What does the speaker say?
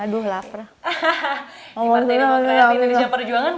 di partai nama kerajaan indonesia perjuangan